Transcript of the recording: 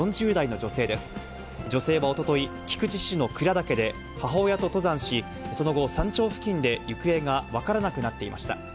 女性はおととい、菊池市の鞍岳で母親と登山し、その後、山頂付近で行方が分からなくなっていました。